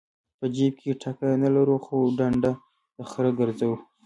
په جیب کې ټکه نه لرو خو ډنډه د خره ګرځو.